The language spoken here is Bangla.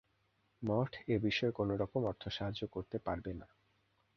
মঠ এ-বিষয়ে কোন রকম অর্থসাহায্য করতে পারবে না।